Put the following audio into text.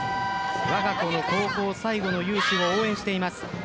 わが子の高校最後の雄姿を応援しています。